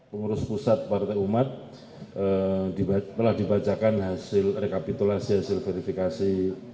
pengurus pusat partai umat telah dibacakan hasil rekapitulasi hasil verifikasi